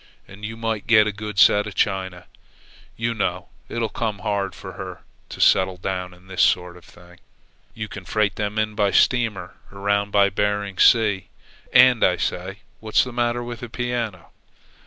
And you might get a good set of china. You know it'll come hard for her to settle down to this sort of thing. You can freight them in by steamer around by Bering Sea. And, I say, what's the matter with a piano?"